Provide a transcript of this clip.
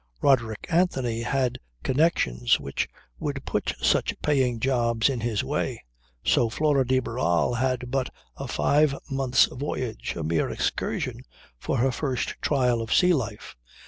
Roderick Anthony had connections which would put such paying jobs in his way. So Flora de Barral had but a five months' voyage, a mere excursion, for her first trial of sea life.